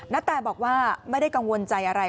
นาแตบอกว่าไม่ได้กังวลใจอะไร